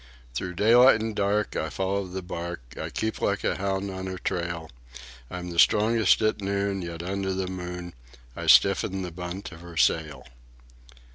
Through daylight and dark I follow the bark I keep like a hound on her trail; I'm strongest at noon, yet under the moon, I stiffen the bunt of her sail."